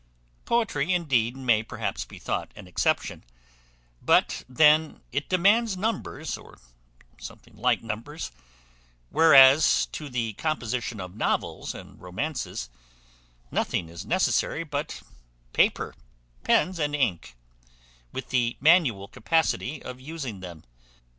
Poetry, indeed, may perhaps be thought an exception; but then it demands numbers, or something like numbers: whereas, to the composition of novels and romances, nothing is necessary but paper, pens, and ink, with the manual capacity of using them.